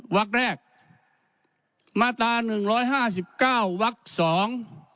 วักแรกมาตราหนึ่งร้อยห้าสิบเก้าวักสอง